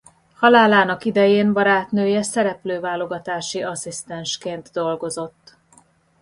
Halálának idején barátnője szereplőválogatási asszisztensként dolgozott.